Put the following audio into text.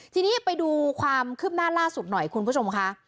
ทีนี้ไปดูความคืบหน้าล่าสุดหน่อยคุณผู้ชมค่ะ